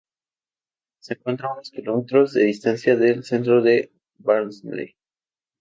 Se encuentra a unos kilómetros de distancia del centro de Barnsley.